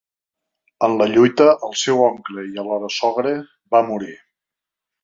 En la lluita, el seu oncle i alhora sogre va morir.